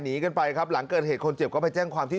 หนีกันไปครับหลังเกิดเหตุคนเจ็บก็ไปแจ้งความที่